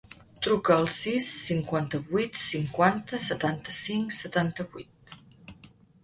Truca al sis, cinquanta-vuit, cinquanta, setanta-cinc, setanta-vuit.